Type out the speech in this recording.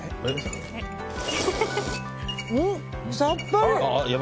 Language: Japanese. さっぱり！